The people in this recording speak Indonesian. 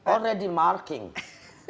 aku sudah memainkannya